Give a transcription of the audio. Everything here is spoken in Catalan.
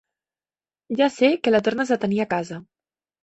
Ja sé que la tornes a tenir a casa.